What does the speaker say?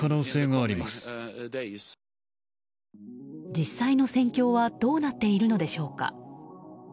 実際の戦況はどうなっているのでしょうか。